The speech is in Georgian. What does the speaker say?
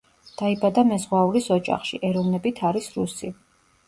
დაიბადა მეზღვაურის ოჯახში, ეროვნებით არის რუსი.